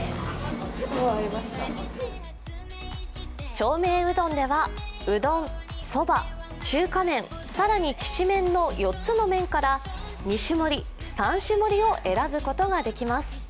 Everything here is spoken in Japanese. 長命うどんでは、うどん、そば、中華麺更にきしめんの４つの麺から２種盛り、３種盛りを選ぶことができます。